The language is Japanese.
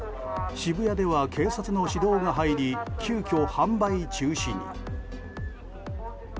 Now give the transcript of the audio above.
渋谷では警察の指導が入り急きょ、販売中止に。